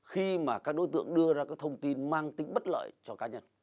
khi mà các đối tượng đưa ra các thông tin mang tính bất lợi cho cá nhân